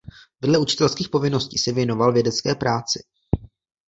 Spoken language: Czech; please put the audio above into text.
Vedle učitelských povinností se věnoval vědecké práci.